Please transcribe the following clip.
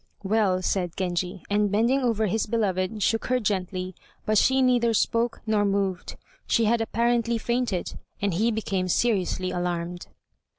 "Well," said Genji, and bending over his beloved, shook her gently, but she neither spoke nor moved. She had apparently fainted, and he became seriously alarmed.